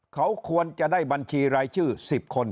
เขาควรจะได้บัญชีรายชื่อ๑๐คน